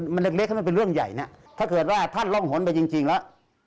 มันเล็กให้มันเป็นเรื่องใหญ่นะถ้าเกิดว่าท่านร่องหนไปจริงแล้ว